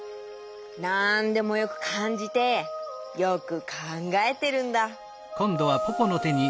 なんでもよくかんじてよくかんがえてるんだ。